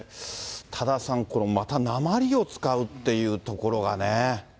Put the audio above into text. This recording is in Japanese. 多田さん、これ、またなまりを使うっていうところがね。